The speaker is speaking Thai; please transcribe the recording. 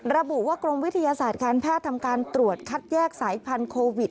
ระบุว่ากรมวิทยาศาสตร์การแพทย์ทำการตรวจคัดแยกสายพันธุวิต